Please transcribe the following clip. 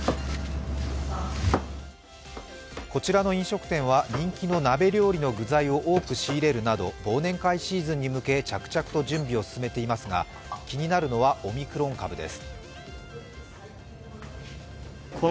こちらの飲食店は、人気の鍋料理の具材を多く仕入れるなど忘年会シーズンに向け着々と準備を進めていますが、気になるのはオミクロン株です。